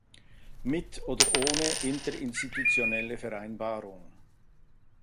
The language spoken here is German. Mit oder ohne interinstitutionelle Vereinbarung.